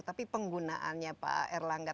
tapi penggunaannya pak erlangga